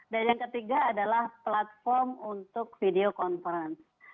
dan yang ketiga adalah platform untuk video conference